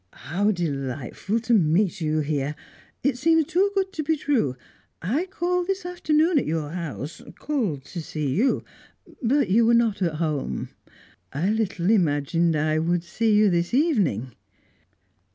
"How delightful to meet you here! It seems too good to be true. I called this afternoon at your house called to see you but you were not at home. I little imagined I should see you this evening."